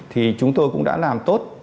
thì chúng tôi cũng đã làm tốt